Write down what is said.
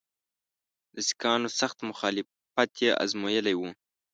د سیکهانو سخت مخالفت یې آزمېیلی وو.